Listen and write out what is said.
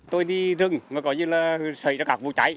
tôi đi rừng mà có như là xảy ra các vụ cháy